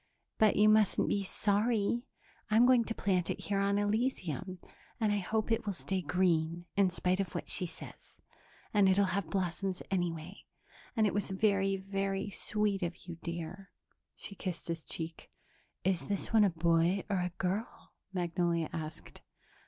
"But you mustn't be sorry. I'm going to plant it here on Elysium, and I hope it will stay green in spite of what she says, and it'll have blossoms anyway ... and it was very, very sweet of you, dear." She kissed his cheek. "Is this one a boy or a girl?" Magnolia asked.